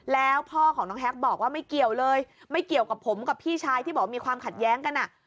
แล้วพ่อของน้องแฮกบอกว่าไม่เกี่ยวเลยไม่เกี่ยวกับผมกับพี่ชายที่บอกมีความขัดแย้งกันอ่ะ